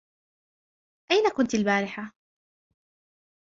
أين كنت البارحة?